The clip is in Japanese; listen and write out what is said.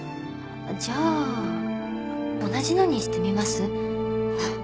じゃあ同じのにしてみます？